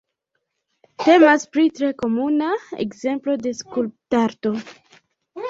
Temas pri tre komuna ekzemplo de skulptarto.